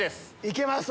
行けます！